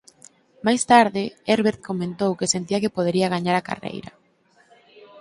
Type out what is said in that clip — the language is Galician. Máis tarde Herbert comentou que sentía que podería gañar a carreira.